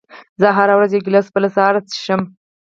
زه هره ورځ یو ګیلاس اوبه له سهاره څښم.